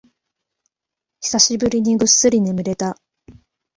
久しぶりにぐっすり眠れた